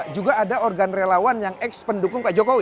juga ada organ relawan yang ex pendukung pak jokowi